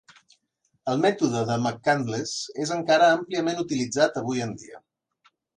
El mètode de McCandless és encara àmpliament utilitzat avui dia.